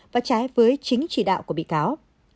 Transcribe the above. và trái với chính chỉ đạo của bị cáo